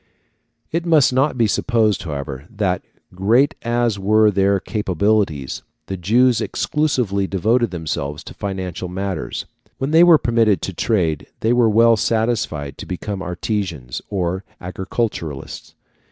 ] It must not be supposed, however, that, great as were their capabilities, the Jews exclusively devoted themselves to financial matters. When they were permitted to trade they were well satisfied to become artisans or agriculturists.